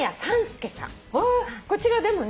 こちらでもね。